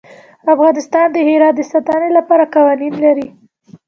افغانستان د هرات د ساتنې لپاره قوانین لري.